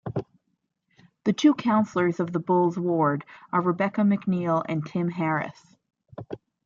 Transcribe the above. The two councillors of the Bulls ward are Rebecca McNeil and Tim Harris.